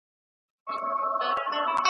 نیم وجود دي په زړو جامو کي پټ دی .